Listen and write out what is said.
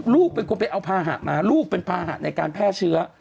ลูกเป็นคนไปเอาภาหะมาลูกเป็นภาหะในการแพร่เชื้อ